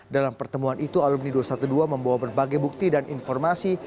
dalam pertemuan itu alumni dua ratus dua belas membawa berbagai bukti dan informasi